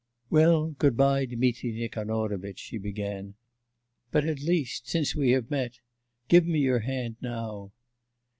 'Well, good bye, Dmitri Nikanorovitch,' she began. 'But at least, since we have met, give me your hand now.